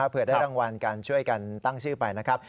เผื่อได้รางวัลการช่วยกันตั้งชื่อไปนะครับ